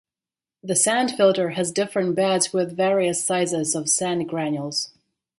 The sand filter has different beds with various sizes of sand granules.